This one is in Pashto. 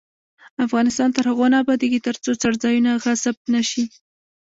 افغانستان تر هغو نه ابادیږي، ترڅو څرځایونه غصب نشي.